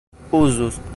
uzus